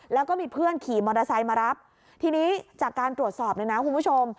แล้วก็มีเพื่อนขี่มอเตอร์ไซค์มารับทีนี้จากการตรวจสอบเนี่ยนะคุณผู้ชม